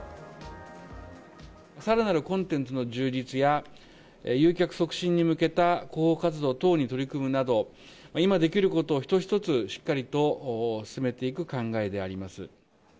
さらなるコンテンツの充実や、誘客促進に向けた広報活動等に取り組むなど、今できることを一つ一つしっかりと進めていく考えであります。